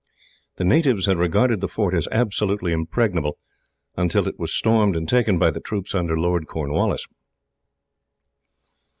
The natives had regarded the fort as absolutely impregnable, until it was stormed by the troops under Lord Cornwallis.